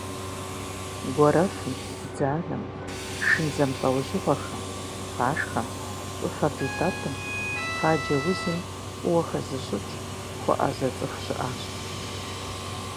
Гуэрэфым, бдзанэм, шын зэмылӏэужьыгъуэхэм, фашхэм, щӏыфэ къитӏэтӏым, фаджэ узым фӏыуэ хэзыщӏыкӏ, хуэӏэзэ цӏыху щыӏащ.